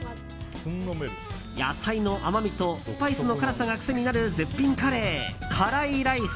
野菜の甘みとスパイスの辛さが癖になる絶品カレー、辛来飯。